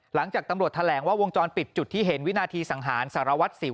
หลังจากตำรวจแถลงว่าวงจรปิดจุดที่เห็นวินาทีสังหารสารวัตรสิว